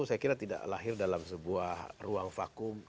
saya kira tidak lahir dalam sebuah ruang vakum